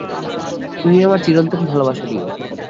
তুমি আমার চিরন্তন ভালবাসা নিও।